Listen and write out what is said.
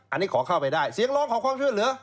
อันนี้ขอเข้าไปได้เสียงร้องขอความช่วยเหลือ